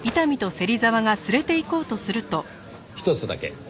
ひとつだけ。